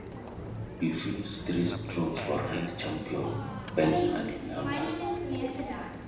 He finished three strokes behind champion Bernhard Langer.